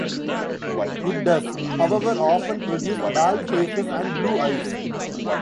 It does, however, often produce bald faces and blue eyes.